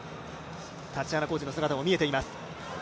タチアナコーチの姿も見えています。